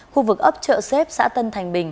khu vực ấp chợ xếp xã tân thành bình